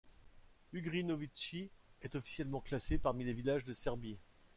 Ugrinovci est officiellement classé parmi les villages de Serbie.